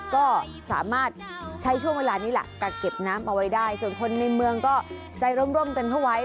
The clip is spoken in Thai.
ก็สามารถใช้ช่วงเวลานี้แหละกักเก็บน้ำเอาไว้ได้ส่วนคนในเมืองก็ใจร่มกันเข้าไว้